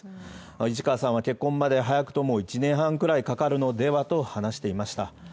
市川さんは結婚まで早くとも１年半くらいかかるのではと話していました。